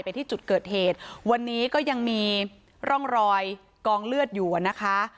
ที่จุดเกิดเหตุวันนี้ก็ยังมีร่องรอยกองเลือดอยู่อ่ะนะคะ